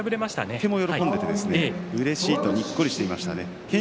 とても喜んでいましたうれしいとにっこりしていました。